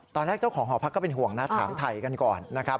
เจ้าของหอพักก็เป็นห่วงนะถามถ่ายกันก่อนนะครับ